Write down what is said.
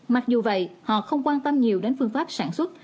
mặc dù vậy họ không quan tâm nhiều đến phương pháp sản xuất